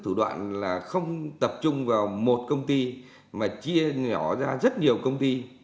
thủ đoạn là không tập trung vào một công ty mà chia nhỏ ra rất nhiều công ty